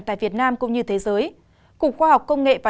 tại việt nam cũng như thế giới